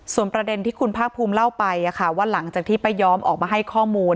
ส่วนประเด็นที่คุณภาคภูมิเล่าไปว่าหลังจากที่ป้ายอมออกมาให้ข้อมูล